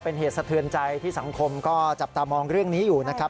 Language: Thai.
เป็นเหตุสะเทือนใจที่สังคมก็จับตามองเรื่องนี้อยู่นะครับ